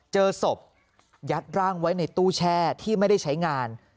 เจอศพยัดร่างไว้ในตู้แช่ที่ไม่ได้ใช้งาน